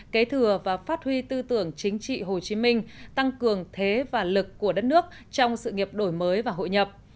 kế thừa và phát huy tư tưởng chính trị hồ chí minh tăng cường thế và lực của đất nước trong sự nghiệp đổi mới và hội nhập